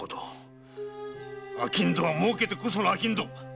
商人は儲けてこその商人！